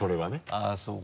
あぁそうか。